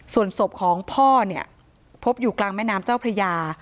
ส่วนศพของพ่อเนี่ยพบอยู่กลางแม่น้ำเจ้าพระยา